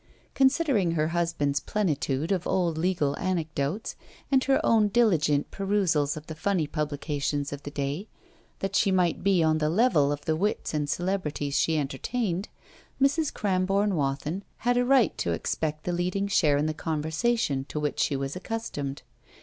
Considering her husband's plenitude of old legal anecdotes, and her own diligent perusal of the funny publications of the day, that she might be on the level of the wits and celebrities she entertained, Mrs. Cramborne Wathin had a right to expect the leading share in the conversation to which she was accustomed.